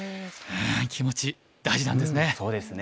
気持ち大事なんですね。